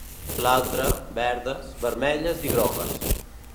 L'altra, verdes, vermelles i grogues.